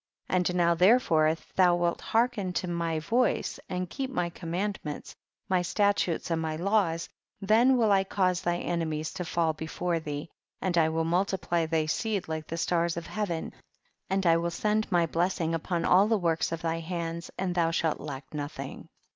4. And now therefore if thou wilt hearken to my voice and keep my commandments, my statutes and my laws, tliea will I cause thy enemies to fall before thee, and I will multi ply thy seed like the stars of heaven, and I will send my blessing upon all the works of thy hands, and thou shalt lack nothing.